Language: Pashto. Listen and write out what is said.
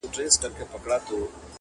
خو زاړه کسان تل د هغې کيسه يادوي په درد،